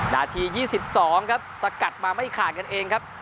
นาที๒๒ครับสกัดมาไม่ขาดกันเองครับ